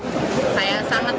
sangat menyesalkan hal yang terjadi